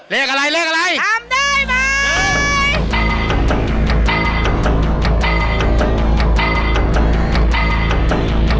เลขอะไรเลขอะไรทำได้มั้ย